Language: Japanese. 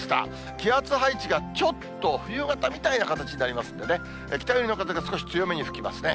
気圧配置がちょっと冬型みたいな形になりますんでね、北寄りの風が少し強めに吹きますね。